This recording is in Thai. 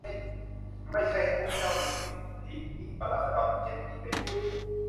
ไม่ใช่ให้พวกเจ้ามีสิทธิยิ่งกว่าราษฎรเช่นที่เป็นอยู่